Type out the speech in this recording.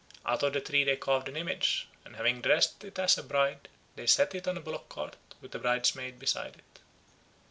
Out of the tree they carved an image, and having dressed it as a bride, they set it on a bullock cart with a bridesmaid beside it.